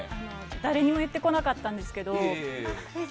誰にも言ってこなかったんですけど。